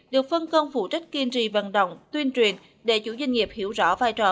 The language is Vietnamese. được phân công phụ trách kiên trì vận động tuyên truyền để chủ doanh nghiệp hiểu rõ vai trò